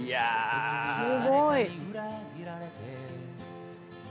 すごい。